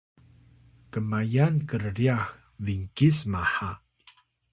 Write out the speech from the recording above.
kmayan krryax binkis maha